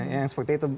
yang seperti itu